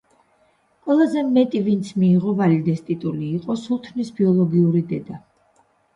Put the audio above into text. ყველაზე მეტი ვინც მიიღო ვალიდეს ტიტული იყო სულთნის ბიოლოგიური დედა.